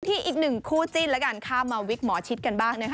อีกหนึ่งคู่จิ้นแล้วกันข้ามมาวิกหมอชิดกันบ้างนะคะ